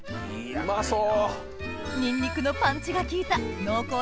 うまそう！